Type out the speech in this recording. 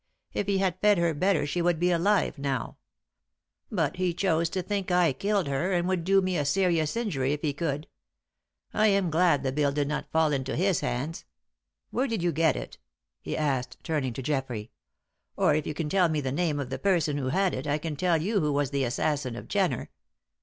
If he had fed her better she would be alive now. But he chooser to think I killed her, and would do me a serious injury it he could. I am glad the bill did not fall into his hands. Where did you get it?" he asked, turning to Geoffrey. "Or if you can tell me the name of the person who had it I can tell you who was the assassin of Jenner.